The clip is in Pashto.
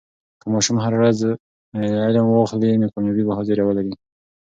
که ماشوم هر ورځ علم واخلي، نو کامیابي به حاضري ولري.